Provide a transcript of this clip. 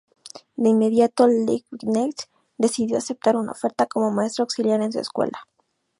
De inmediato, Liebknecht decidió aceptar una oferta como maestro auxiliar en su escuela.